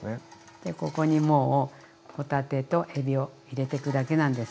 でここにもう帆立てとえびを入れてくだけなんです。